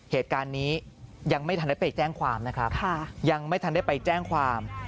เหตุการณ์นี้ยังไม่ทันได้ไปแจ้งความนะครับยังไม่ทันได้ไปแจ้งความ